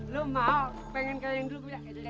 tenang jangan berisik